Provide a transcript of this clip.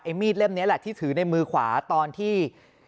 มีดเล่มนี้แหละที่ถือในมือขวาตอนที่